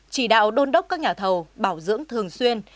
chỉ đạo đôn đốc các nhà thầu bảo dưỡng thường xuyên